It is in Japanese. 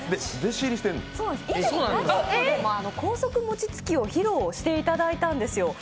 先日、高速餅つきを披露していただいたんですよ。